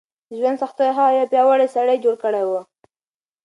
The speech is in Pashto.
د ژوند سختیو هغه یو پیاوړی سړی جوړ کړی و.